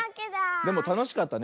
でもたのしかったね